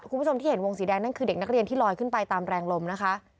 คุณผู้ชมที่เห็นวงสีแดงนั่นคือเด็กนักเรียนที่ลอยขึ้นไปตามแรงลมนะคะ